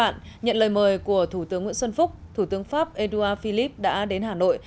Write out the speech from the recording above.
nhận lời mời của thủ tướng nguyễn xuân phúc thủ tướng pháp edouard philip đã đến hà nội